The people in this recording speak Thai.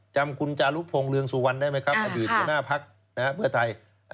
จำคุณจารุภงเรืองสุวันได้ไหมครับอดีตเจ้าหน้าพักษ์เพื่อไทย